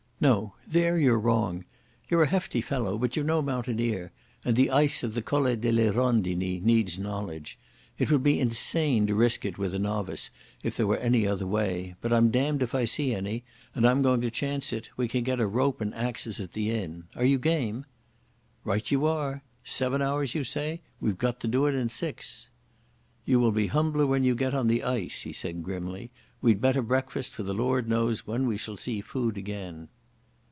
"No. There you're wrong. You're a hefty fellow, but you're no mountaineer, and the ice of the Colle delle Rondini needs knowledge. It would be insane to risk it with a novice, if there were any other way. But I'm damned if I see any, and I'm going to chance it. We can get a rope and axes in the inn. Are you game?" "Right you are. Seven hours, you say. We've got to do it in six." "You will be humbler when you get on the ice," he said grimly. "We'd better breakfast, for the Lord knows when we shall see food again."